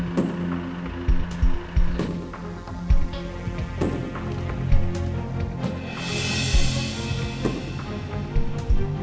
barang barangnya ke mobil yuk